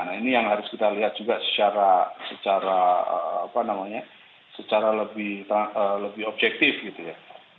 nah ini yang harus kita lihat juga secara lebih objektif gitu ya